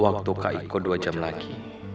waktu kaiko dua jam lagi